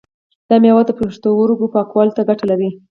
دا مېوه د پښتورګو پاکوالی ته ګټه لري.